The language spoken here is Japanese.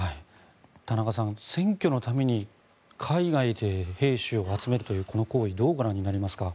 田中さん、選挙のために海外で兵士を集めるというこの行為どうご覧になりますか？